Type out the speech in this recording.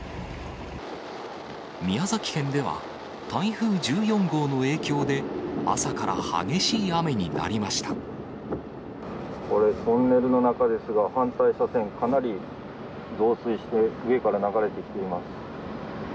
宮崎県では、台風１４号の影響で、これ、トンネルの中ですが、反対車線、かなり増水して、上から流れてきています。